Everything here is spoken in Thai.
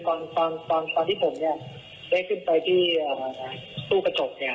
ตอนตอนตอนที่ผมเนี้ยได้ขึ้นไปที่อะไรอ่าภูกระจกเนี้ย